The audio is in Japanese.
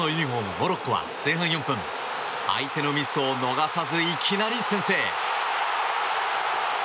モロッコは前半４分相手のミスを逃さずいきなり先制。